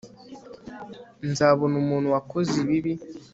nzabona umuntu wakoze ibi